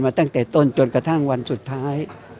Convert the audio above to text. ตั้งแต่ต้นจนกระทั่งวันสุดท้าย